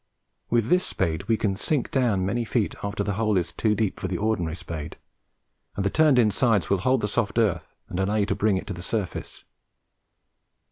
With this spade we can sink down many feet after the hole is too deep for the ordinary spade, and the turned in sides will hold the soft earth and allow you to bring it to the surface.